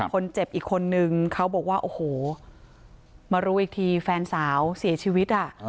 อีกคนนึงเขาบอกว่าโอ้โหมารู้อีกทีแฟนสาวเสียชีวิต